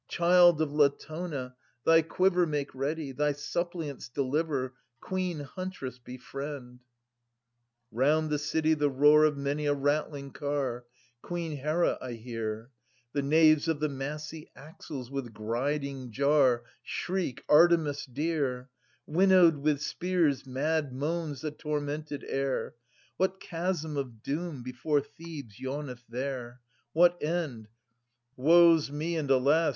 Child of Latona, thy quiver Make ready : thy suppliants deliver — Queen huntress, befriend ! 150 {Str. 2) Round the city the roar of many a rattling car, Queen Hera, I hear ! The naves of the massy axles with griding jar Shriek, Artemis dear I Winnowed with spears mad moans the tormented air ! What chasm of doom before Thebes yawneth there ? What end — woe*s me and alas